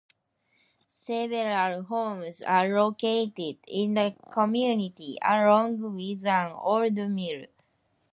Several homes are located in the community, along with an old mill.